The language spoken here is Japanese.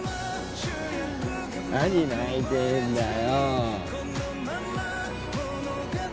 何泣いてんだよ。